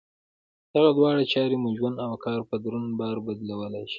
دغه دواړه چارې مو ژوند او کار په دروند بار بدلولای شي.